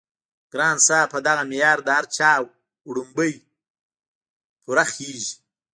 ګران صاحب په دغه معيار له هر چا وړومبی پوره خيژي